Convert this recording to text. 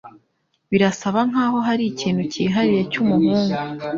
Birasa nkaho hari ikintu cyihariye cyumuhungu